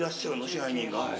支配人が。